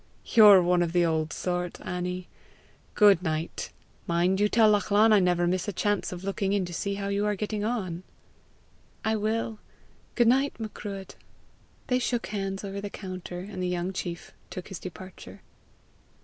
"You're one of the old sort, Annie! Good night. Mind you tell Lachlan I never miss a chance of looking in to see how you are getting on." "I will. Good night, Macruadh." They shook hands over the counter, and the young chief took his departure.